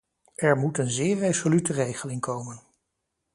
Er moet een zeer resolute regeling komen.